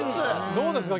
どうですか？